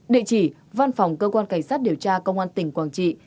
địa chỉ văn phòng cơ quan cảnh sát điều tra công an tỉnh quảng trị